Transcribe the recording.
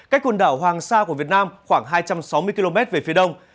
cách quần đảo hoàng sa của việt nam khoảng hai trăm sáu mươi km về phía đông